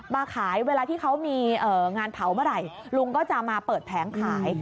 มาขายเวลาที่เขามีงานเผาเมื่อไหร่ลุงก็จะมาเปิดแผงขาย